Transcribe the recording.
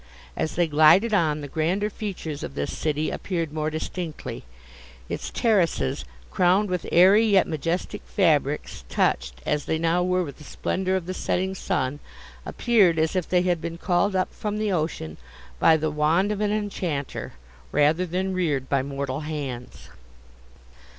As they glided on, the grander features of this city appeared more distinctly: its terraces, crowned with airy yet majestic fabrics, touched, as they now were, with the splendour of the setting sun, appeared as if they had been called up from the ocean by the wand of an enchanter, rather than reared by mortal hands.